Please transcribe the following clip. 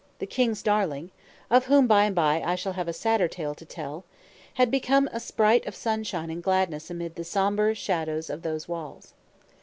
"] the king's darling (of whom, by and by, I shall have a sadder tale to tell), had become a sprite of sunshine and gladness amid the sombre shadows of those walls.